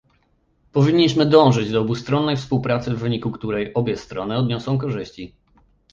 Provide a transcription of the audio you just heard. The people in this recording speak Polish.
powinniśmy dążyć do obustronnej współpracy, w wyniku której obie strony odniosą korzyści